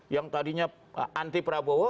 yang tadinya anti prabowo